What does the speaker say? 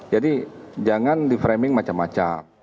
jadi jangan di framing macam macam